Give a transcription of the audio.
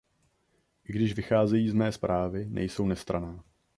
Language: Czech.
I když vycházejí z mé zprávy, nejsou nestranná.